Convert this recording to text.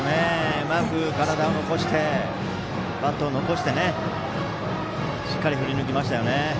うまくバットを残してしっかり振り抜きましたよね。